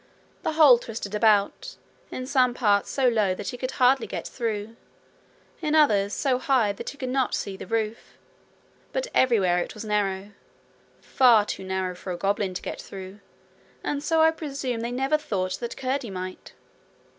The hole twisted about, in some parts so low that he could hardly get through, in others so high that he could not see the roof, but everywhere it was narrow far too narrow for a goblin to get through, and so I presume they never thought that Curdie might.